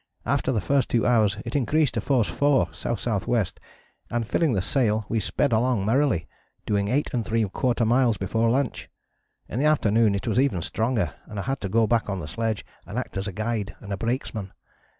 After the first two hours it increased to force 4, S.S.W., and filling the sail we sped along merrily, doing 8¾ miles before lunch. In the afternoon it was even stronger, and I had to go back on the sledge and act as guide and brakesman.